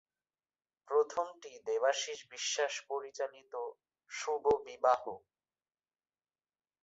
প্রথমটি দেবাশীষ বিশ্বাস পরিচালিত "শুভ বিবাহ"।